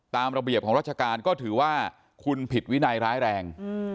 ตามระเบียบของราชการก็ถือว่าคุณผิดวินัยร้ายแรง